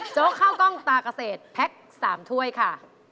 โจ๊กข้าวกล้องตรากเศษแพ็ก๓ถ้วยค่ะ